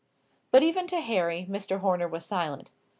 But even to Harry Mr. Horner was silent.